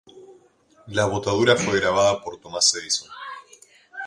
La botadura fue grabada por Thomas Edison.